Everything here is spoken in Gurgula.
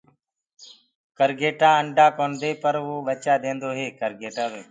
ڪَرگيٽآ انڊآ ڪونآ دي پر ڀچآ ديدو هي۔